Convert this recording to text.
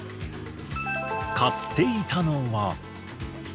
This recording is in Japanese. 買っていたのは。